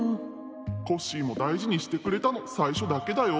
「コッシーもだいじにしてくれたのさいしょだけだよ」。